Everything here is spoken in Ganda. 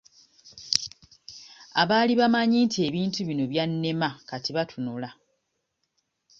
Abaali bamanyi nti ebintu bino byannema kati batunula.